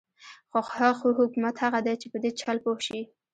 خو ښه حکومت هغه دی چې په دې چل پوه شي.